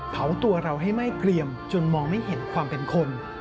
ตัวเราให้ไหม้เกลี่ยมจนมองไม่เห็นความเป็นคน